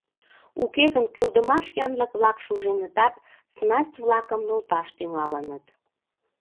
Уке гын, кӱлдымаш янлык-влак, шуженытат, снасть-влакым нулташ тӱҥалыныт.